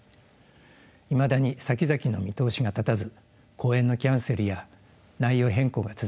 いまだにさきざきの見通しが立たず公演のキャンセルや内容変更が続いています。